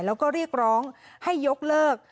แล้วก็เรียกร้องให้ยกเลิก